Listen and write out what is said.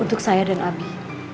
untuk saya dan abi